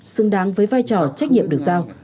xứng đáng với vai trò trách nhiệm được giao